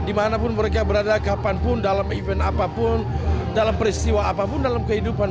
dimanapun mereka berada kapanpun dalam event apapun dalam peristiwa apapun dalam kehidupan